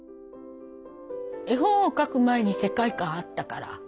絵本を描く前に世界観あったから。